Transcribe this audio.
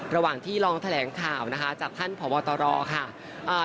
ระหว่างที่รองแถลงข่าวจากท่านผ่อบตค่ะ